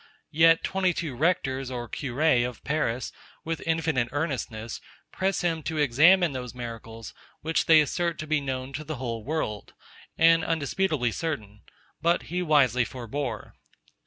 Yet 22 rectors or curés of Paris, with infinite earnestness, press him to examine those miracles, which they assert to be known to the whole world, and undisputably certain: But he wisely forbore.